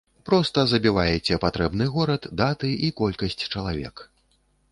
Проста забіваеце патрэбны горад, даты і колькасць чалавек.